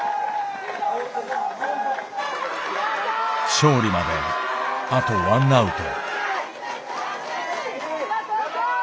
勝利まであと１アウト。